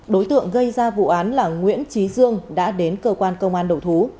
đối tượng gây ra vụ án là nguyễn trí dương đã đến cơ quan công an đầu thú